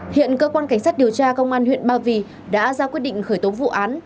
hiện cơ quan cảnh sát điều tra công an huyện ba vì đã ra quyết định khởi tố vụ án